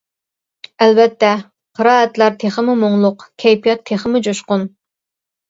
ئەلۋەتتە، قىرائەتلەر تېخىمۇ مۇڭلۇق، كەيپىيات تېخىمۇ جۇشقۇن.